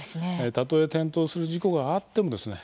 たとえ転倒する事故があってもですね